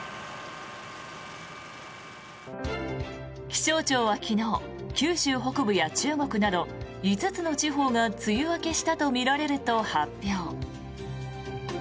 気象庁は昨日九州北部や四国など５つの地方が梅雨明けしたとみられると発表。